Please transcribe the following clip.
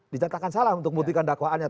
dinyatakan salah untuk membuktikan dakwaannya